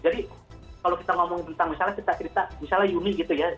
jadi kalau kita ngomong tentang misalnya cerita cerita misalnya yuni gitu ya